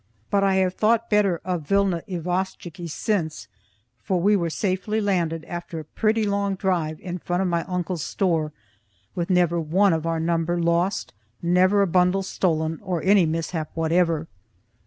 But I have thought better of Vilna Isvostchiky since, for we were safely landed after a pretty long drive in front of my uncle's store, with never one of our number lost, never a bundle stolen or any mishap whatever.